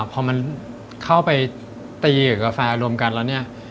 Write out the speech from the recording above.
พอมันเข้าไปตีกับกาแฟรวมกันแล้วเนี่ย